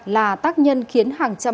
là tác nhân khiến hàng chế